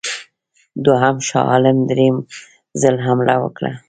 دوهم شاه عالم درېم ځل حمله وکړه.